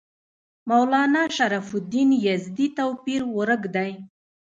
مولنا شرف الدین یزدي توپیر ورک دی.